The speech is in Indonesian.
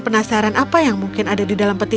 penasaran apa yang mungkin ada di dalam peti